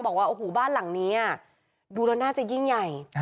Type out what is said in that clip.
บอกว่าโอ้โหบ้านหลังนี้ดูแล้วน่าจะยิ่งใหญ่